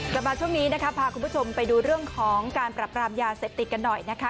กลับมาช่วงนี้นะคะพาคุณผู้ชมไปดูเรื่องของการปรับปรามยาเสพติดกันหน่อยนะคะ